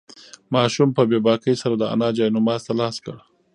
ماشوم په بې باکۍ سره د انا جاینماز ته لاس کړ.